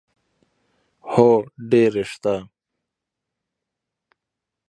په افغانستان کې د ځمکني شکل خورا ډېرې او ګټورې منابع شته.